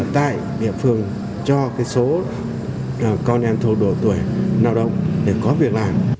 tại địa phương cho cái số con em thô đồ tuổi nào đó để có việc làm